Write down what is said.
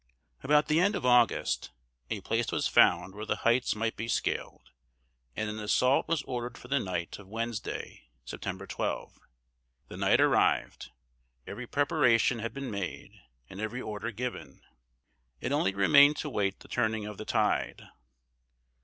About the end of August a place was found where the heights might be scaled, and an assault was ordered for the night of Wednesday, September 12. The night arrived; every preparation had been made and every order given; it only remained to wait the turning of the tide.